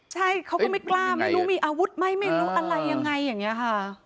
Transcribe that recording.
ใช่เขาก็ไม่กล้าไม่รู้มีอาวุธไหมไม่รู้อะไรยังไงอย่างนี้ค่ะ